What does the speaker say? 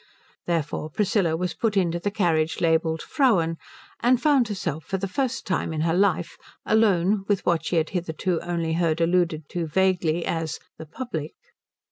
Therefore Priscilla was put into the carriage labelled Frauen, and found herself for the first time in her life alone with what she had hitherto only heard alluded to vaguely as the public.